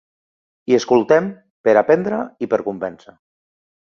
I escoltem, per aprendre i per convèncer.